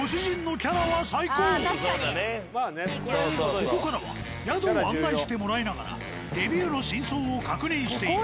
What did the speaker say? ここからは宿を案内してもらいながらレビューの真相を確認していく。